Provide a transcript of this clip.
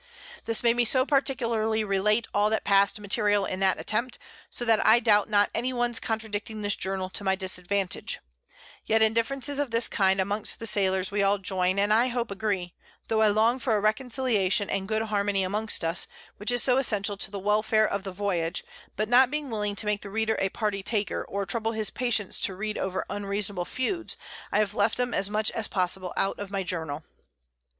This made me so particularly relate all that pass'd material in that Attempt, so that I doubt not any ones contradicting this Journal to my Disadvantage; yet in Differences of this kind amongst the Sailors we all join, and I hope agree: Tho' I long for a Reconciliation and good Harmony amongst Us, which is so essential to the Welfare of the Voyage; but not being willing to make the Reader a Party taker, or trouble his Patience to read over unreasonable Feuds, I have left 'em as much as possible out of my Journal.